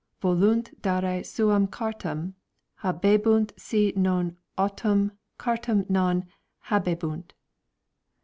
volunt dare suam cartam habebunt si non autem cartam non habe bunt